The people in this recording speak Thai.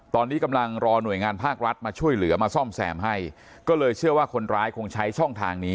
ตอนนี้กำลังรอหน่วยงานภาครัฐมาช่วยเหลือมาซ่อมแซมให้ก็เลยเชื่อว่าคนร้ายคงใช้ช่องทางนี้